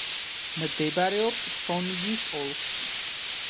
მდებარეობს სონგის ოლქში.